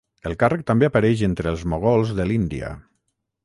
El càrrec també apareix entre els mogols de l'Índia.